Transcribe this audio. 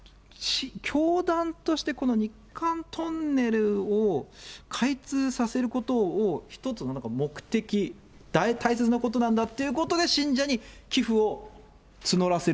ただ、教団として、この日韓トンネルを開通させることを一つの目的、大切なんだっていうことで信者に寄付を募らせる。